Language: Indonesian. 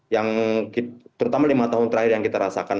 yang terutama lima tahun terakhir yang kita rasakan